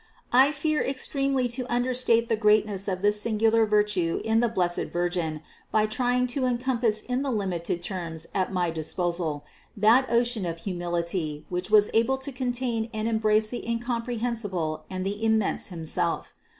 I fear extremely to understate the greatness of this singular virtue in the blessed Virgin by trying to encompass in the limited terms at my dis posal, that ocean of humility which was able to contain and embrace the Incomprehensible and the Immense him self.